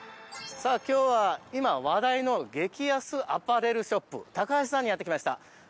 さあ、今日は今、話題の激安アパレルショップタカハシさんにやって来ました。